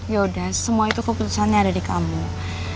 yaudah semua itu keputusannya ada di kamu